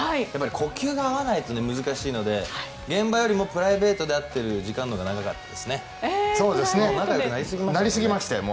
呼吸が合わないと難しいので現場よりもプライベートで会っている時間のほうが仲良くなりすぎましたよ。